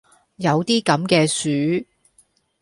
有啲咁嘅樹?